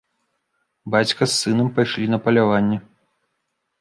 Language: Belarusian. Бацька з сынам пайшлі на паляванне.